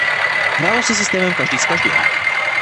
Hrálo se systémem každý s každým.